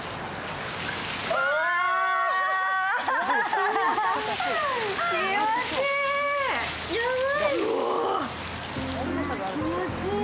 わ、気持ちいい。